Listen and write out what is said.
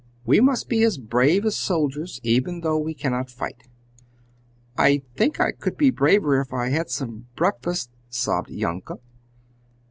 We must be as brave as soldiers, even though we cannot fight." "I think I could be braver if I had some breakfast," sobbed Janke.